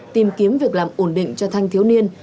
tìm kiếm việc làm ổn định cho thanh thiếu niên